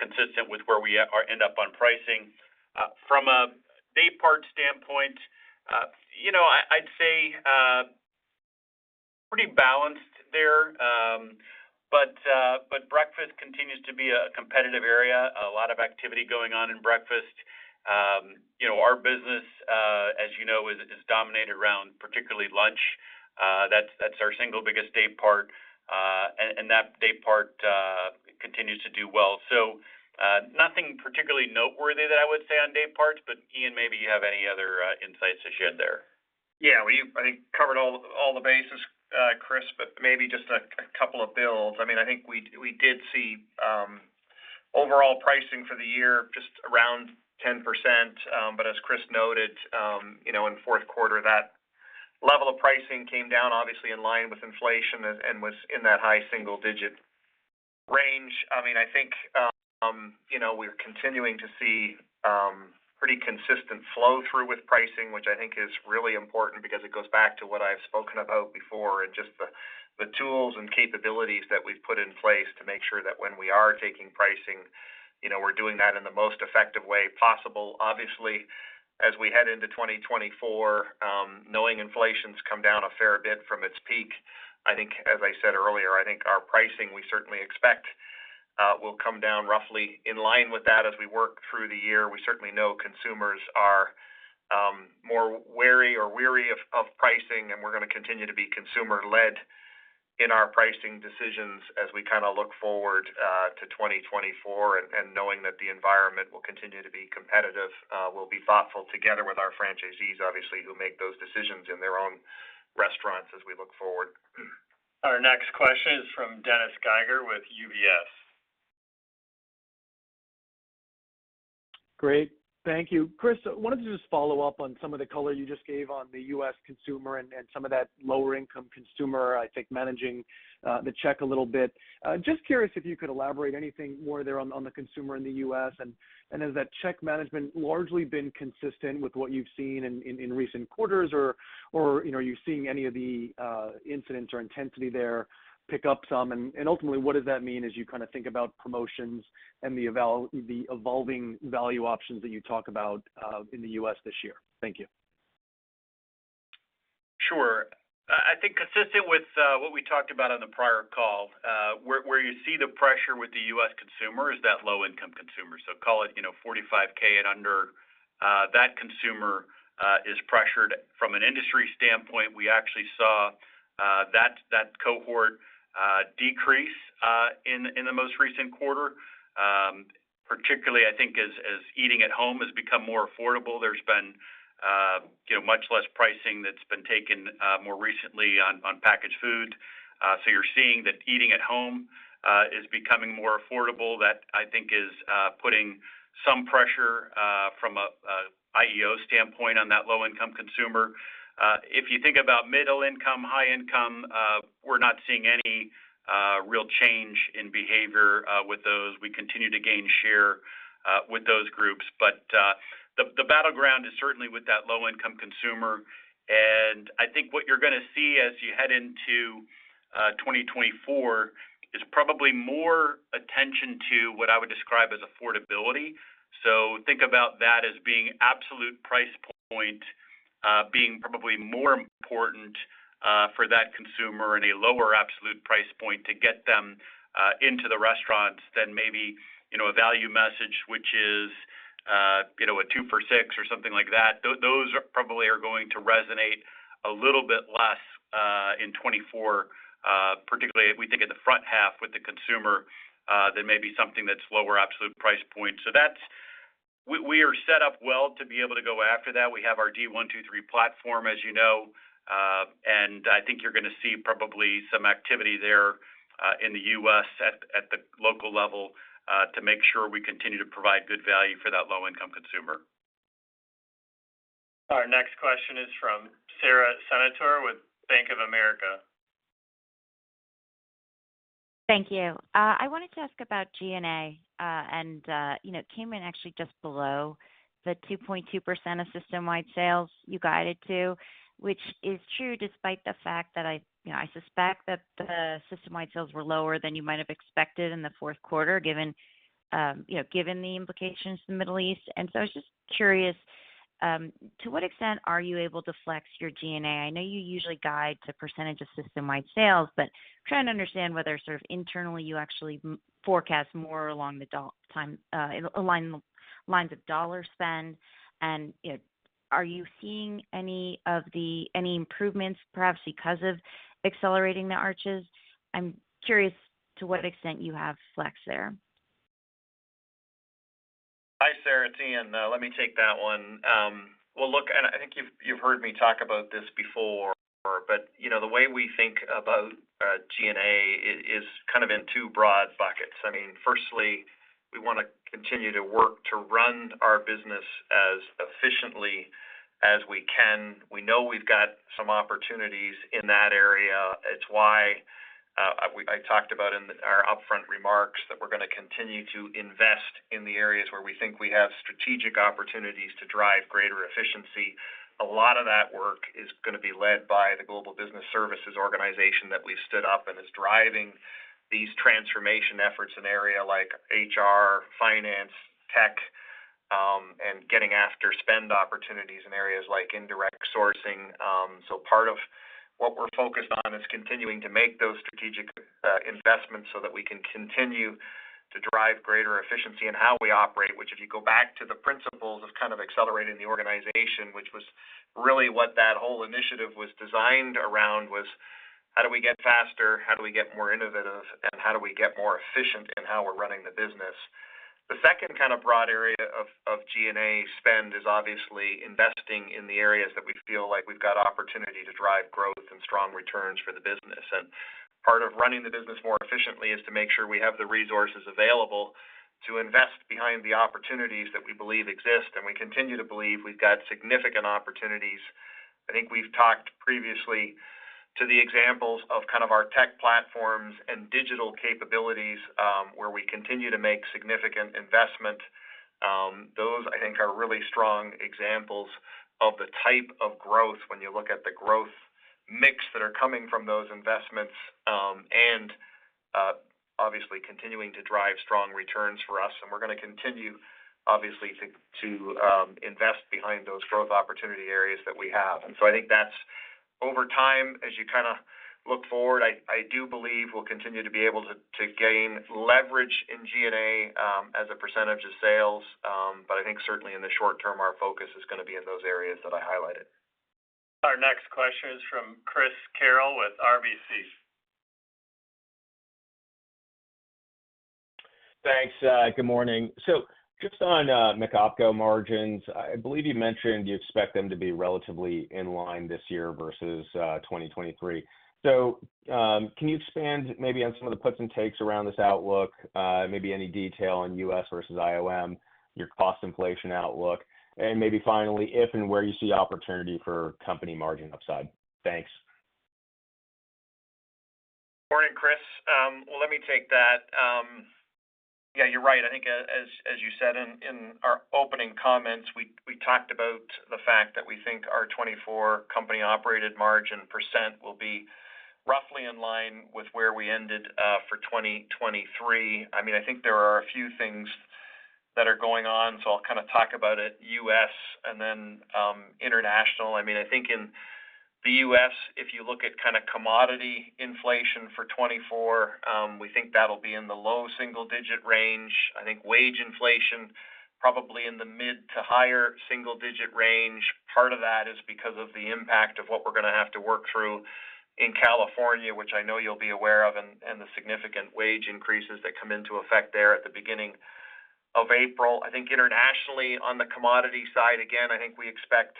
consistent with where we end up on pricing. From a day part standpoint, you know, I, I'd say, pretty balanced there.... used to be a competitive area, a lot of activity going on in breakfast. You know, our business, as you know, is dominated around particularly lunch. That's our single biggest day part, and that day part continues to do well. So, nothing particularly noteworthy that I would say on day parts, but Ian, maybe you have any other insights to share there. Yeah, we, I think, covered all, all the bases, Chris, but maybe just a, a couple of builds. I mean, I think we, we did see, overall pricing for the year, just around 10%. But as Chris noted, you know, in the Q4, that level of pricing came down, obviously in line with inflation and, and was in that high single-digit range. I mean, I think, you know, we're continuing to see, pretty consistent flow-through with pricing, which I think is really important because it goes back to what I've spoken about before and just the, the tools and capabilities that we've put in place to make sure that when we are taking pricing, you know, we're doing that in the most effective way possible. Obviously, as we head into 2024, knowing inflation's come down a fair bit from its peak, I think as I said earlier, I think our pricing, we certainly expect, will come down roughly in line with that as we work through the year. We certainly know consumers are more wary or weary of pricing, and we're gonna continue to be consumer-led in our pricing decisions as we kinda look forward to 2024. And knowing that the environment will continue to be competitive, we'll be thoughtful together with our franchisees, obviously, who make those decisions in their own restaurants as we look forward. Our next question is from Dennis Geiger with UBS. Great. Thank you. Chris, I wanted to just follow up on some of the color you just gave on the U.S. consumer and some of that lower-income consumer, I think, managing the check a little bit. Just curious if you could elaborate anything more there on the consumer in the U.S., and has that check management largely been consistent with what you've seen in recent quarters, or, you know, are you seeing any of the incidence or intensity there pick up some? And ultimately, what does that mean as you kinda think about promotions and the evolving value options that you talk about in the U.S. this year? Thank you. Sure. I think consistent with what we talked about on the prior call, where you see the pressure with the U.S. consumer is that low-income consumer. So call it, you know, 45K and under, that consumer is pressured. From an industry standpoint, we actually saw that cohort decrease in the most recent quarter. Particularly, I think as eating at home has become more affordable, there's been, you know, much less pricing that's been taken more recently on packaged food. So you're seeing that eating at home is becoming more affordable. That, I think, is putting some pressure from a IEO standpoint on that low-income consumer. If you think about middle income, high income, we're not seeing any real change in behavior with those. We continue to gain share with those groups. But the battleground is certainly with that low-income consumer, and I think what you're gonna see as you head into 2024 is probably more attention to what I would describe as affordability. So think about that as being absolute price point being probably more important for that consumer and a lower absolute price point to get them into the restaurants than maybe, you know, a value message, which is, you know, a 2 for $6 or something like that. Those are probably going to resonate a little bit less in 2024, particularly if we think in the front half with the consumer, than maybe something that's lower absolute price point. So that's... We are set up well to be able to go after that. We have our D123 platform, as you know, and I think you're gonna see probably some activity there, in the US at the local level, to make sure we continue to provide good value for that low-income consumer. Our next question is from Sara Senatore, with Bank of America. Thank you. I wanted to ask about G&A, and, you know, it came in actually just below the 2.2% of system-wide sales you guided to, which is true, despite the fact that I, you know, I suspect that the system-wide sales were lower than you might have expected in the Q4, given, you know, given the implications in the Middle East. And so I was just curious, to what extent are you able to flex your G&A? I know you usually guide to percentage of system-wide sales, but trying to understand whether sort of internally, you actually forecast more along the dollar terms, along the lines of dollar spend. And, you know, are you seeing any improvements, perhaps because of Accelerating the Arches? I'm curious to what extent you have flex there. Hi, Sara. It's Ian. Let me take that one. Well, look, and I think you've heard me talk about this before, but you know, the way we think about G&A is kind of in two broad buckets. I mean, firstly, we wanna continue to work to run our business as efficiently as we can. We know we've got some opportunities in that area. It's why we talked about in our upfront remarks that we're gonna continue to invest in the areas where we think we have strategic opportunities to drive greater efficiency. A lot of that work is gonna be led by the global business services organization that we've stood up and is driving these transformation efforts in areas like HR, finance, tech.... and getting after spend opportunities in areas like indirect sourcing. So part of what we're focused on is continuing to make those strategic investments so that we can continue to drive greater efficiency in how we operate, which, if you go back to the principles of kind of Accelerating the Organization, which was really what that whole initiative was designed around, was: how do we get faster? How do we get more innovative, and how do we get more efficient in how we're running the business? The second kind of broad area of G&A spend is obviously investing in the areas that we feel like we've got opportunity to drive growth and strong returns for the business. Part of running the business more efficiently is to make sure we have the resources available to invest behind the opportunities that we believe exist, and we continue to believe we've got significant opportunities. I think we've talked previously to the examples of kind of our tech platforms and digital capabilities, where we continue to make significant investment. Those, I think, are really strong examples of the type of growth when you look at the growth mix that are coming from those investments, and obviously continuing to drive strong returns for us. We're gonna continue, obviously, to invest behind those growth opportunity areas that we have. So I think that's over time, as you kind of look forward, I do believe we'll continue to be able to gain leverage in G&A, as a percentage of sales. But I think certainly in the short term, our focus is gonna be in those areas that I highlighted. Our next question is from Chris Carril with RBC. Thanks, good morning. So just on McOpCo margins, I believe you mentioned you expect them to be relatively in line this year versus 2023. So, can you expand maybe on some of the puts and takes around this outlook? Maybe any detail on US versus IOM, your cost inflation outlook, and maybe finally, if and where you see opportunity for company margin upside? Thanks. Morning, Chris. Well, let me take that. Yeah, you're right. I think, as you said in our opening comments, we talked about the fact that we think our 2024 company-operated margin % will be roughly in line with where we ended for 2023. I mean, I think there are a few things that are going on, so I'll kind of talk about it, U.S. and then international. I mean, I think in the U.S., if you look at kind of commodity inflation for 2024, we think that'll be in the low single-digit range. I think wage inflation, probably in the mid- to high-single-digit range. Part of that is because of the impact of what we're gonna have to work through in California, which I know you'll be aware of, and the significant wage increases that come into effect there at the beginning of April. I think internationally, on the commodity side, again, I think we expect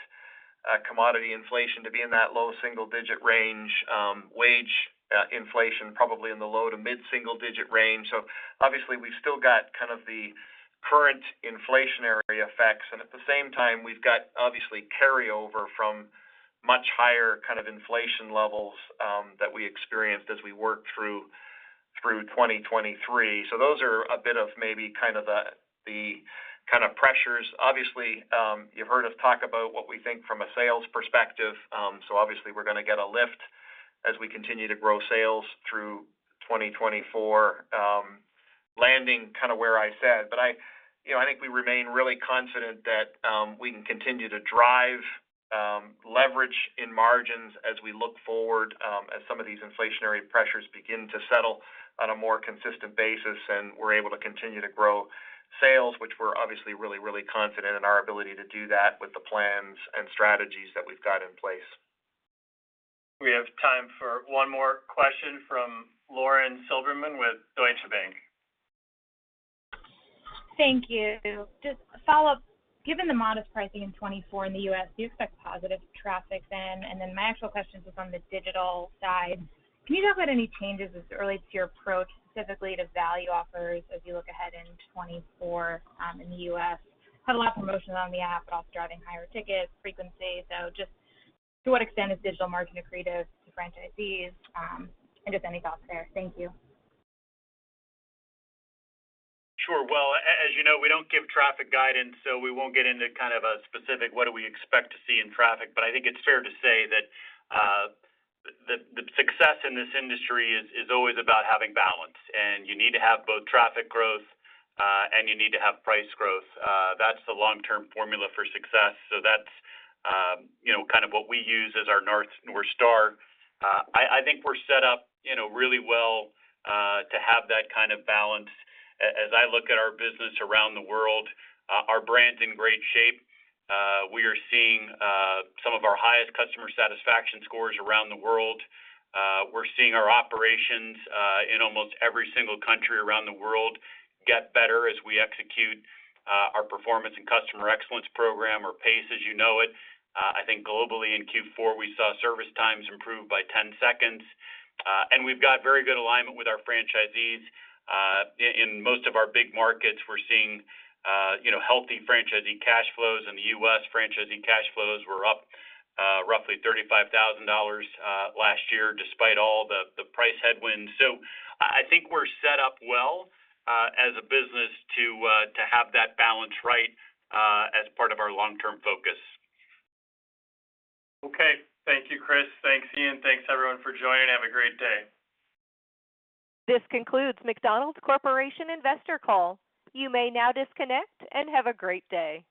commodity inflation to be in that low single-digit range, wage inflation, probably in the low to mid-single-digit range. So obviously, we've still got kind of the current inflationary effects, and at the same time, we've got obviously carryover from much higher kind of inflation levels that we experienced as we worked through 2023. So those are a bit of maybe kind of the kind of pressures. Obviously, you've heard us talk about what we think from a sales perspective. So obviously, we're gonna get a lift as we continue to grow sales through 2024, landing kind of where I said. But I, you know, I think we remain really confident that we can continue to drive leverage in margins as we look forward, as some of these inflationary pressures begin to settle on a more consistent basis, and we're able to continue to grow sales, which we're obviously really, really confident in our ability to do that with the plans and strategies that we've got in place. We have time for one more question from Lauren Silberman with Deutsche Bank. Thank you. Just a follow-up, given the modest pricing in 2024 in the U.S., do you expect positive traffic then? And then my actual question is on the digital side. Can you talk about any changes as it relates to your approach, specifically to value offers as you look ahead in 2024, in the U.S.? Had a lot of promotions on the app, but also driving higher ticket frequency. So just to what extent is digital marketing creative to franchisees, and just any thoughts there? Thank you. Sure. Well, as you know, we don't give traffic guidance, so we won't get into kind of a specific, what do we expect to see in traffic? But I think it's fair to say that the success in this industry is always about having balance, and you need to have both traffic growth and you need to have price growth. That's the long-term formula for success. So that's, you know, kind of what we use as our North Star. I think we're set up, you know, really well to have that kind of balance. As I look at our business around the world, our brand's in great shape. We are seeing some of our highest customer satisfaction scores around the world. We're seeing our operations in almost every single country around the world get better as we execute our performance and customer excellence program, or PACE, as you know it. I think globally in Q4, we saw service times improve by 10 seconds, and we've got very good alignment with our franchisees. In most of our big markets, we're seeing, you know, healthy franchisee cash flows. In the U.S., franchisee cash flows were up roughly $35,000 last year, despite all the price headwinds. So I think we're set up well as a business to have that balance right as part of our long-term focus. Okay. Thank you, Chris. Thanks, Ian. Thanks, everyone, for joining. Have a great day. This concludes McDonald's Corporation investor call. You may now disconnect and have a great day.